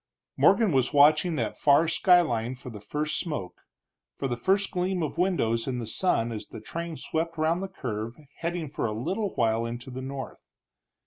Morgan was watching that far skyline for the first smoke, for the first gleam of windows in the sun as the train swept round the curve heading for a little while into the north.